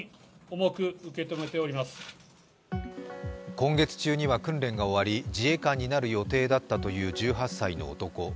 今月中には訓練が終わり自衛官になる予定だったという１８歳の男。